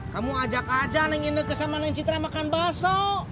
kamu ajak aja yang ini sama neng citra makan bakso